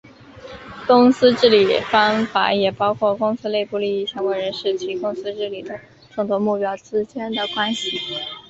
公司治理方法也包括公司内部利益相关人士及公司治理的众多目标之间的关系。